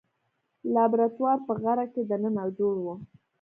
لابراتوار په غره کې دننه جوړ و.